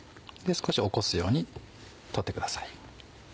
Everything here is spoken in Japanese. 少し起こすように取ってください。